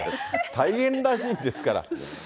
大変らしいですから。